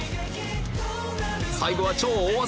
最後は超大技！